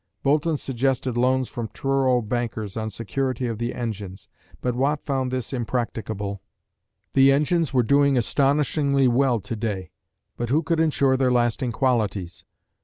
Boulton suggested loans from Truro bankers on security of the engines, but Watt found this impracticable. The engines were doing astonishingly well to day, but who could ensure their lasting qualities?